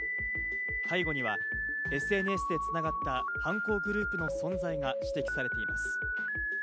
背後にはＳＮＳで繋がった犯行グループの存在が指摘されています。